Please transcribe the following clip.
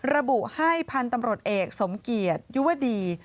ระบุให้พตรเอกสมเกียจยดี